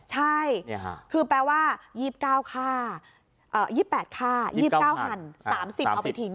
ใช่ค่ะคือแปลว่า๒๘ฆ่าหั่น๓๐เอาไปทิ้ง